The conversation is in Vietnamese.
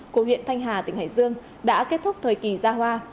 của huyện thanh hà tỉnh hải dương đã kết thúc thời kỳ ra hoa